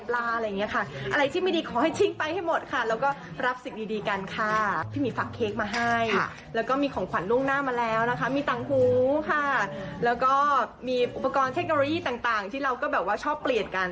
แล้วก็มีอุปกรณ์เทคโนโลยีต่างที่เราก็แบบว่าชอบเปลี่ยนกัน